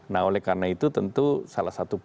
nah oleh karena itu tentu salah satu